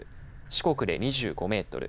四国で２５メートル